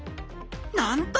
なんと！